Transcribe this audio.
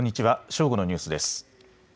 正午のニュースです。